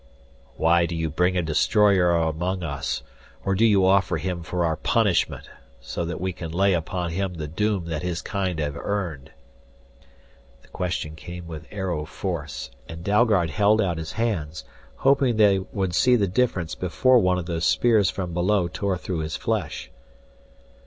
"Why do you bring a destroyer among us? Or do you offer him for our punishment, so that we can lay upon him the doom that his kind have earned?" The question came with arrow force, and Dalgard held out his hands, hoping they would see the difference before one of those spears from below tore through his flesh.